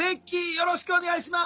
よろしくお願いします！